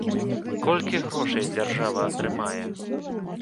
Колькі грошай дзяржава атрымае?